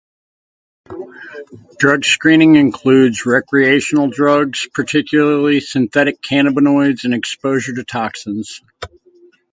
Drug screening includes recreational drugs, particularly synthetic cannabinoids, and exposure to toxins.